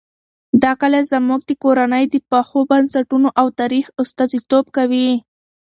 دا کلا زموږ د کورنۍ د پخو بنسټونو او تاریخ استازیتوب کوي.